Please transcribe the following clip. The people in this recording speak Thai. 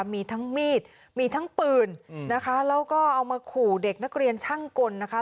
มีทั้งมีดมีทั้งปืนนะคะแล้วก็เอามาขู่เด็กนักเรียนช่างกลนะคะ